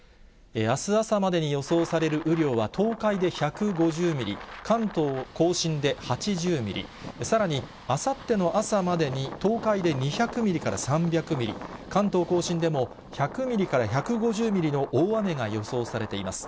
あす朝までに予想される雨量は東海で１５０ミリ、関東甲信で８０ミリ、さらにあさっての朝までに東海で２００ミリから３００ミリ、関東甲信でも１００ミリから１５０ミリの大雨が予想されています。